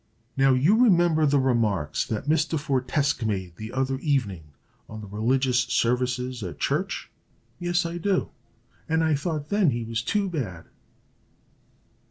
"Now, you remember the remarks that Mr. Fortesque made the other evening on the religious services at church?" "Yes, I do; and I thought then he was too bad."